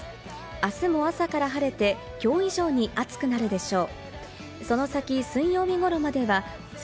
あすも朝から晴れて、きょう以上に暑くなるでしょう。